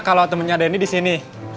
kalo temennya denny disini